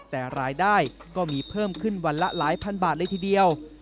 แต่รายได้ก็มีเพิ่มขึ้นวันละหลายพันบาทเลยทีเดียว